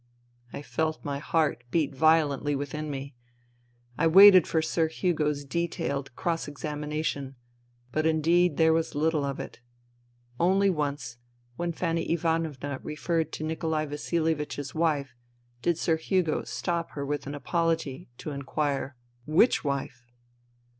...'" I felt my heart beat violently within me. I waited for Sir Hugo's detailed cross examination ; but indeed there was little of it. Only once, when Fanny Ivanovna referred to Nikolai Vasilievich's wife did Sir Hugo stop her with an apology, to inquire " Which wife